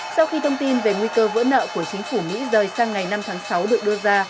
sau khi thông tin về nguy cơ vỡ nợ của chính phủ mỹ rời sang ngày năm tháng sáu được đưa ra